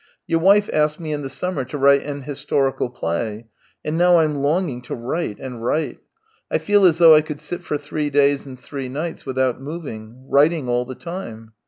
... Your wife asked me in the summer to write an historical play, and now I'm longing to write and write. I feel as though I could sit for three days and three nights without moving, writing all the time.